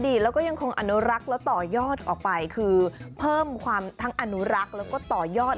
แล้วก็ยังคงอนุรักษ์แล้วต่อยอดออกไปคือเพิ่มความทั้งอนุรักษ์แล้วก็ต่อยอด